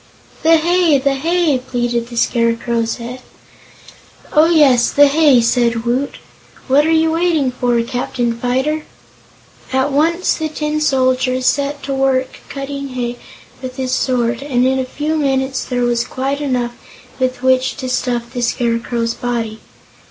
"The hay the hay!" pleaded the Scarecrow's head. "Oh, yes; the hay," said Woot. "What are you waiting for, Captain Fyter?" At once the Tin Soldier set to work cutting hay with his sword and in a few minutes there was quite enough with which to stuff the Scarecrow's body.